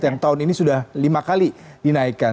yang tahun ini sudah lima kali dinaikkan